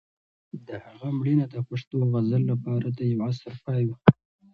د هغه مړینه د پښتو غزل لپاره د یو عصر پای و.